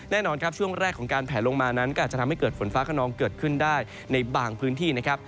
แน่นอนครับช่วงแรกของการแผลลงมานั้นก็อาจจะทำให้เกิดฝนฟ้าขนองเกิดขึ้นได้ในบางพื้นที่นะครับ